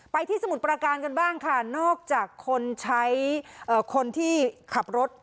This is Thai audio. ที่สมุทรประการกันบ้างค่ะนอกจากคนใช้คนที่ขับรถ